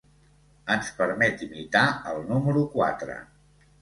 Ens permet imitar el número quatre.